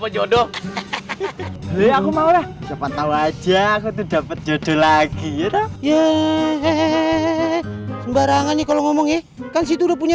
jodoh aku mau aja aku tuh dapet jodoh lagi ya barangannya kalau ngomong ya kan situ punya